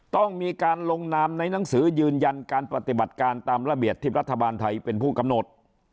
ต้องมีการลงนามในหนังสือยืนยันการปฏิบัติการตามระเบียบที่รัฐบาลไทยเป็นผู้กำหนด